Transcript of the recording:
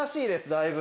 だいぶ。